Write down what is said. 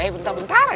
bentar bentar aja ya